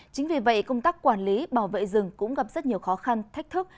chính vì vậy công tác quản lý bảo vệ rừng cũng gặp rất nhiều khó khăn thách thức